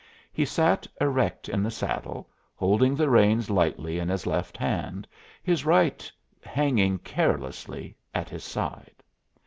He sat erect in the saddle, holding the reins lightly in his left hand, his right hanging carelessly at his side.